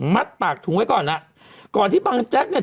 ปากถุงไว้ก่อนอ่ะก่อนที่บังแจ๊กเนี่ย